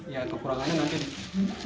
ya kekurangannya nanti